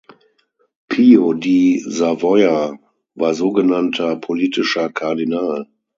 Pio di Savoia war sogenannter politischer Kardinal.